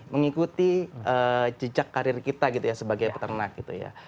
mengikuti jejak karir kita gitu ya sebagai peternak masyarakat